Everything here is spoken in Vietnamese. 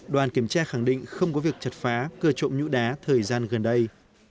đoàn kiểm tra khẳng định không có việc chặt phá cửa trộm nhũ đá thời gian gần đây